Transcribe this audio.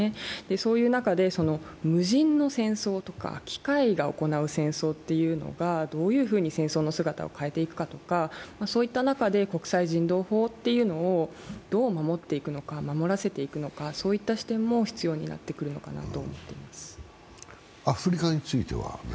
そういう中で無人の戦争とか機械が行う戦争というのがどういうふうに戦争の姿を変えていくかとかそういった中で国際人道法っていうのをどう守っていくのか守らせていくのか、そういった視点も必要になってくるのかなと思います。